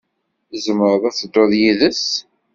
Tzemreḍ ad tedduḍ yid-s.